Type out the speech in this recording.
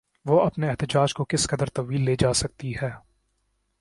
وہ اپنے احتجاج کو کس قدر طویل لے جا سکتی ہے؟